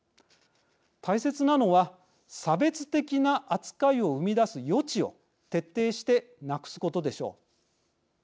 大切なのは、差別的な扱いを生み出す余地を徹底してなくすことでしょう。